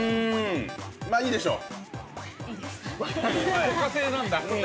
まあ、いいでしょう。